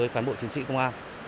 cảm bộ chiến sĩ công an